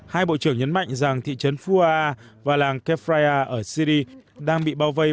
hai bộ trưởng nhấn mạnh rằng thị trấn fuwa và làng kefraya ở syri đang bị bao vây